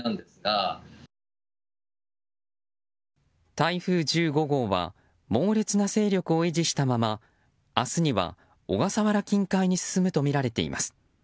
台風１５号は猛烈な勢力を維持したまま明日には小笠原近海に進むとみられています。